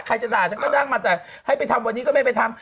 ใครจะด่าฉันก็ล่างมาให้ไปทำแต่วันนี้ก็ไม่ไปทำ